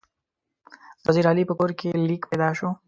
د وزیر علي په کور کې لیک پیدا شو.